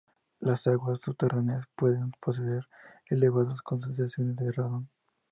Las aguas subterráneas pueden poseer elevadas concentraciones de radón.